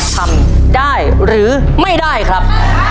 ทำได้หรือไม่ได้ครับ